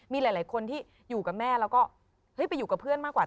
มีหลายคนที่อยู่กับแม่แล้วก็เฮ้ยไปอยู่กับเพื่อนมากกว่า